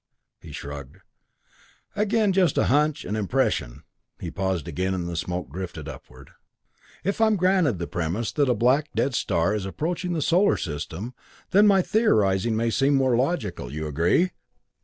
He shrugged. "Again, just a hunch, an impression." He paused again, and the slow smoke drifted upward. "If I'm granted the premise that a black, dead star is approaching the Solar System, then my theorizing may seem more logical. You agree?"